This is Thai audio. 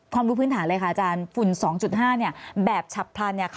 รู้พื้นฐานเลยค่ะอาจารย์ฝุ่น๒๕แบบฉับพลัน